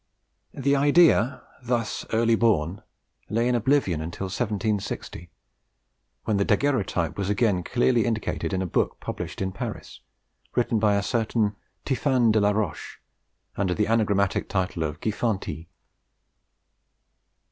The idea, thus early born, lay in oblivion until 1760, when the daguerreotype was again clearly indicated in a book published in Paris, written by a certain Tiphanie de la Roche, under the anagrammatic title of Giphantie.